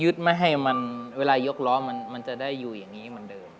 ไม่ให้มันเวลายกล้อมันจะได้อยู่อย่างนี้เหมือนเดิม